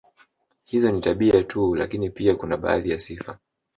Hizo ni tabia tu lakini pia kuna baadhi ya sifa